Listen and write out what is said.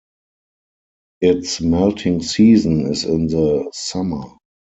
Its melting season is in the summer.